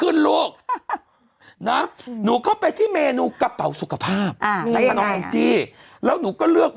รุ่นเรามันกินไม่ขึ้นแล้วลูกไม่มันต้องกินต้อนไปกระเทยเด็ดลูก